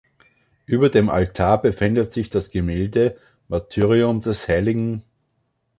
Über dem Altar befindet sich das Gemälde "Martyrium des hl.